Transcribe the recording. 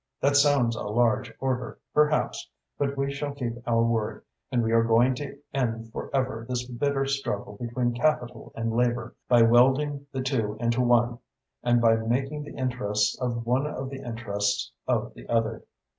That sounds a large order, perhaps, but we shall keep our word and we are going to end for ever this bitter struggle between capital and labour by welding the two into one and by making the interests of one the interests of the other.